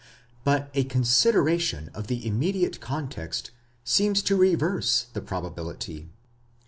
° But a consideration of the immediate context seems to reverse the probability.